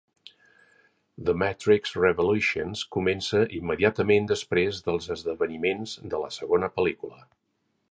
"The Matrix Revolutions" comença immediatament després dels esdeveniments de la segona pel·lícula.